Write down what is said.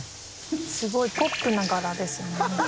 すごいポップな柄ですごい。